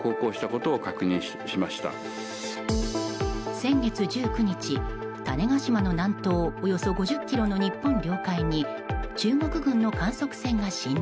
先月１９日、種子島の南東およそ５０ｋｍの日本領海に中国軍の観測船が侵入。